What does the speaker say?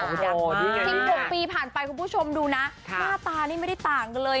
โอ้โหดีกว่าดีกว่านี้ค่ะคุณผู้ชมดูนะหน้าตานี่ไม่ได้ต่างเลย